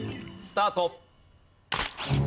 スタート！＃